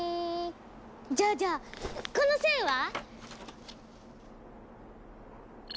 じゃあじゃあこの線は？